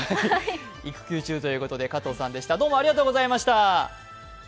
育休中ということで加藤さんでした。